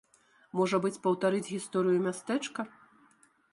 Можа быць, паўтарыць гісторыю мястэчка.